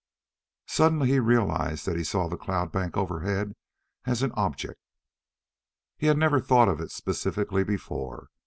Suddenly he realized that he saw the cloud bank overhead as an object. He had never thought of it specifically before.